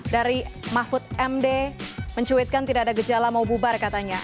dari mahfud md mencuitkan tidak ada gejala mau bubar katanya